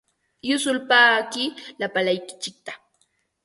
Yusulpaaqi lapalaykitsikta.